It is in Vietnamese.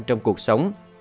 trong cuộc sống